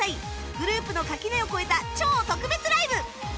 グループの垣根を越えた超特別ライブ